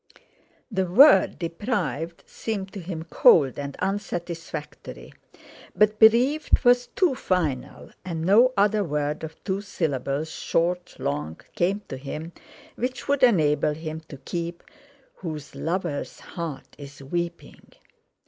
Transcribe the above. The word "deprived" seemed to him cold and unsatisfactory, but "bereaved" was too final, and no other word of two syllables short long came to him, which would enable him to keep "whose lover's heart is weeping."